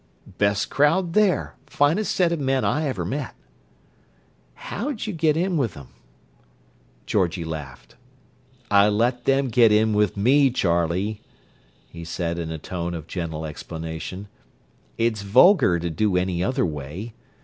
"Best crowd there: finest set of men I ever met." "How'd you get in with 'em?" Georgie laughed. "I let them get in with me, Charlie," he said in a tone of gentle explanation. "It's vulgar to do any other way.